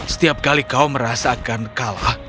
setiap kali kau merasakan kalah